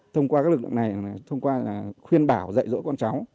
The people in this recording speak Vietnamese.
thông qua các lực lượng này thông qua là khuyên bảo dạy dỗi con cháu